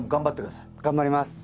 頑張ります。